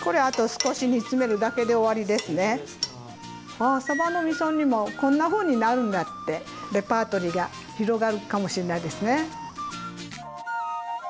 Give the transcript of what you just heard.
ああサバのみそ煮もこんなふうになるんだってレパートリーが広がるかもしれないですね。